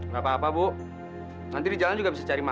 gak apa apa bu nanti di jalan juga bisa cari makan